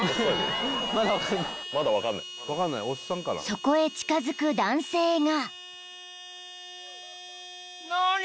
［そこへ近づく男性が］